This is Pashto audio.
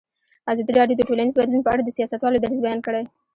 ازادي راډیو د ټولنیز بدلون په اړه د سیاستوالو دریځ بیان کړی.